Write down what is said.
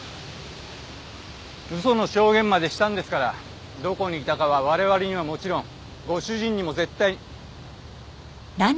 嘘の証言までしたんですからどこにいたかは我々にはもちろんご主人にも絶対。